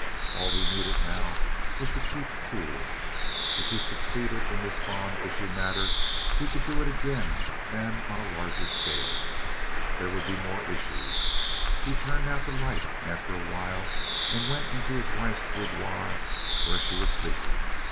All he needed now was to keep cool. If he succeeded in this bond issue matter, he could do it again and on a larger scale. There would be more issues. He turned out the light after a while and went into his wife's boudoir, where she was sleeping.